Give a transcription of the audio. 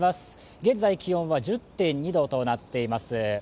現在気温は１０．２度となっています。